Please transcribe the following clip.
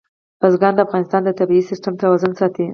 بزګان د افغانستان د طبعي سیسټم توازن ساتي.